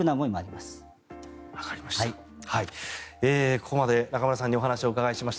ここまで中村さんにお話をお伺いしました。